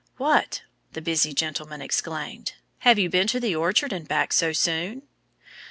"What!" that busy gentleman exclaimed. "Have you been to the orchard and back so soon?"